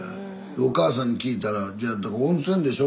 お母さんに聞いたら温泉でしょ？